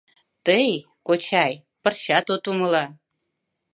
Тый, кочай, пырчат от умыло.